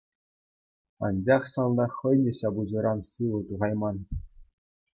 Анчах салтак хӑй те ҫапӑҫуран сывӑ тухайман.